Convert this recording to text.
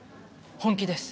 本気です。